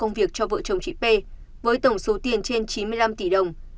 lượng đã trả cho vợ chồng chị p công việc cho vợ chồng chị p với tổng số tiền trên chín mươi năm tỷ đồng